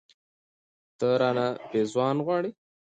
، ته رانه پېزوان غواړې